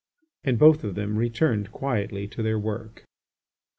And both of them returned quietly to their work.